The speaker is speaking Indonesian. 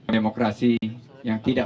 demokrasi yang tidak